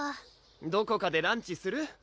どこかでランチする？